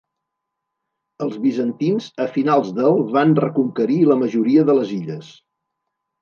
Els bizantins a finals del van reconquerir la majoria de les illes.